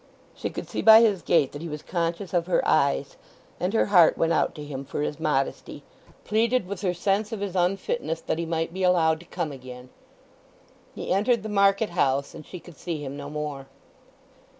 She could see by his gait that he was conscious of her eyes, and her heart went out to him for his modesty—pleaded with her sense of his unfitness that he might be allowed to come again. He entered the market house, and she could see him no more.